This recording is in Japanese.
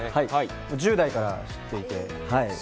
１０代から知っていて。